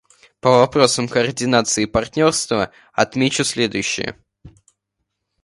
По вопросам координации и партнерства отмечу следующее.